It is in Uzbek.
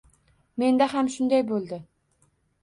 Menda ham shunday bo‘ldi.